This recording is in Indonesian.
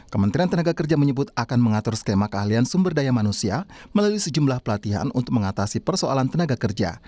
kementerian tenaga kerja menyebut akan mengatur skema keahlian sumber daya manusia melalui sejumlah pelatihan untuk mengatasi persoalan tenaga kerja